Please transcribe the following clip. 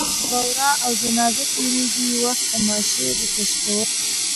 چېرته به ورا او جنازه تېرېږي، وخت د ماشې د تش کولو نه دی